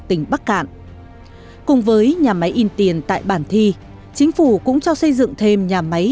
tỉnh bắc cạn cùng với nhà máy in tiền tại bản thi chính phủ cũng cho xây dựng thêm nhà máy